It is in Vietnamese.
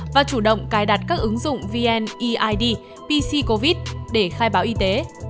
và chủ động cài đặt các ứng dụng vneid pc covid để khai báo y tế